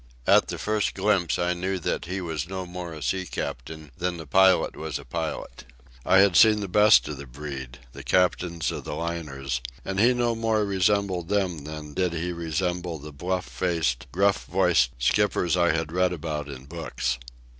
At the first glimpse I knew that he was no more a sea captain than the pilot was a pilot. I had seen the best of the breed, the captains of the liners, and he no more resembled them than did he resemble the bluff faced, gruff voiced skippers I had read about in books.